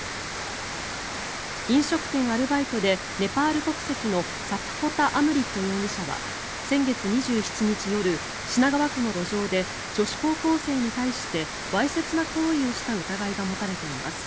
飲食店アルバイトでネパール国籍のサプコタ・アムリット容疑者は先月２７日夜品川区の路上で女子高校生に対してわいせつな行為をした疑いが持たれています。